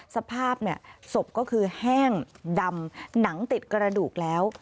สภาพศพก็คือแห้งดำหนังติดกระดูกแล้ว